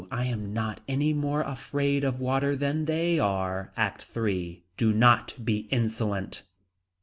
I am not any more afraid of water than they are. ACT III. Do not be insolent.